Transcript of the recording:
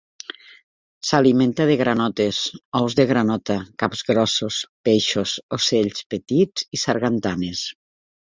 S'alimenta de granotes, ous de granota, capgrossos, peixos, ocells petits i sargantanes.